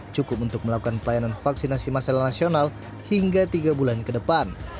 cukup untuk melakukan pelayanan vaksinasi masalah nasional hingga tiga bulan ke depan